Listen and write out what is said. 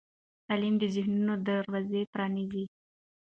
تعلیم د ذهنونو دروازې پرانیزي.